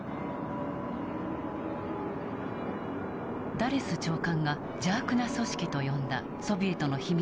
ダレス長官が邪悪な組織と呼んだソビエトの秘密